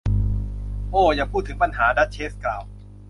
โอ้ อย่าพูดถึงปัญหา ! ดัชเชสกล่าว